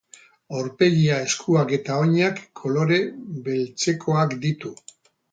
Aurpegia, eskuak eta oinak kolore beltzekoak ditu.